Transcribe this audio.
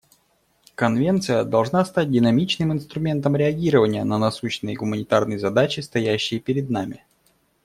Конвенция должна стать динамичным инструментом реагирования на насущные гуманитарные задачи, стоящие перед нами.